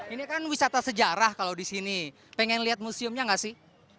ini kan wisata sejarah kalau di sini pengen lihat museumnya nggak sih